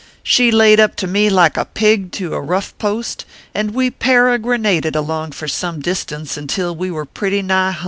She layed up to me like a pig to a rough post, and we peregrinated along for some dis tance until we were pretty nigh hum.